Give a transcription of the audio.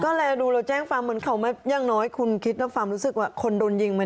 ก็แหละดูแล้วแจ้งฟังเหมือนเขาแย่งน้อยคุณคิดแล้วฟังรู้สึกว่าคนโดนยิงไหม